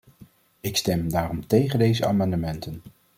Ik stem daarom tegen deze amendementen.